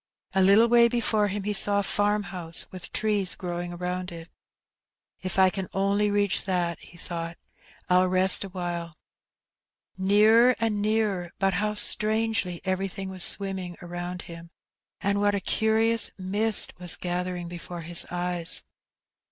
A little way before him he saw a farmhonsOj with trees growing around it. ''If I can only reach that/' he thought^ "I'll rest awhile.'' Nearer and nearer, but how strangely everything was swim ming around him, and what a curious mist was gathering before his eyes